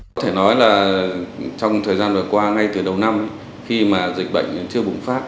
có thể nói là trong thời gian vừa qua ngay từ đầu năm khi mà dịch bệnh chưa bùng phát